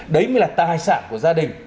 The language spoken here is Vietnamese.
đấy mới là tài sản của gia đình